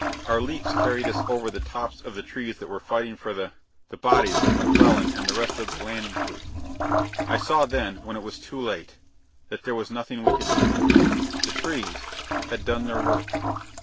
Our leaps carried us over the tops of the trees that were fighting for the ... the bodies of McClellan and the rest of the landing crew. I saw then, when it was too late, that there was nothing we could do. The trees ... had done their work.